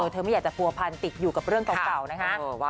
ไม่อยากจะผัวพันติดอยู่กับเรื่องเก่านะคะ